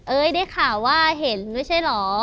ได้ข่าวว่าเห็นไม่ใช่เหรอ